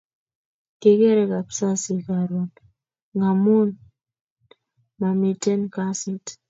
Kikere kapkasi karon ngamun mamiten kasit